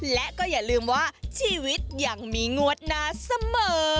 และก็อย่าลืมว่าชีวิตยังมีงวดหน้าเสมอ